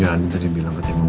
gak apa apa kenapa